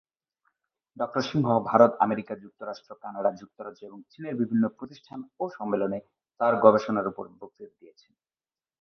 ডঃ Singh Bharat, America যুক্তরাষ্ট্র, Canada, যুক্তরাজ্য এবং চীনের বিভিন্ন প্রতিষ্ঠান ও সম্মেলনে তাঁর গবেষণার উপর বক্তৃতা দিয়েছেন।